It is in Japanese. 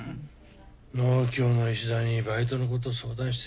農協の石田にバイトのこと相談してみっぺ。